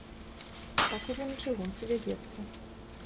Так ужо на чыгунцы вядзецца.